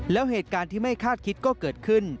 แล้วเหตุการณ์ที่ไม่คาดคิดก็เกิดขึ้น